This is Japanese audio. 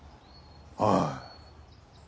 ああ。